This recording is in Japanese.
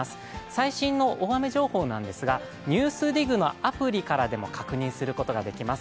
最新の大雨情報なんですが、ＮＥＷＳＤＩＧのアプリからでも確認することができます。